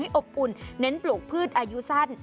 อบอุ่นเน้นปลูกพืชอายุสั้น